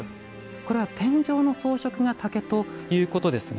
これは天井の装飾が竹ということですね。